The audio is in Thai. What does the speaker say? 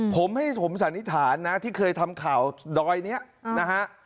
ผมให้ผมสันนิษฐานนะที่เคยทำข่าวดอยนี้นะฮะ